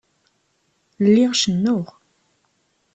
Lliɣ cennuɣ.